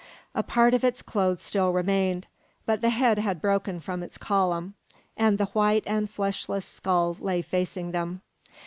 A part of its clothes still remained, but the head had broken from its column, and the white and fleshless skull lay facing them.